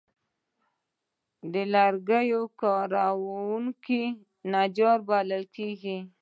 د لرګي کار کوونکي نجار بلل کېږي.